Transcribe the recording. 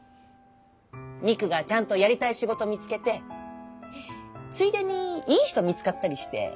未来がちゃんとやりたい仕事見つけてついでにいい人見つかったりして。